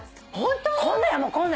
こんな！